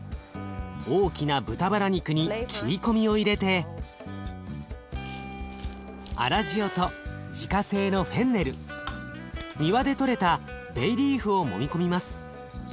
大きな豚バラ肉に切り込みを入れて粗塩と自家製のフェンネル庭でとれたベイリーフをもみ込みます。